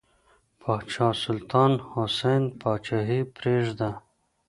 پاچا سلطان حسین پاچاهي پرېږده.